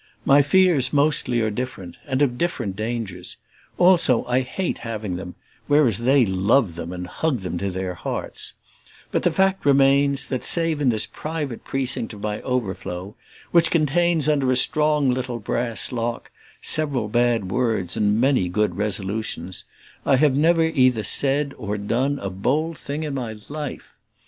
My fears, mostly, are different, and of different dangers also I hate having them, whereas they love them and hug them to their hearts; but the fact remains that, save in this private precinct of my overflow, which contains, under a strong little brass lock, several bad words and many good resolutions, I have never either said or done a bold thing in my life.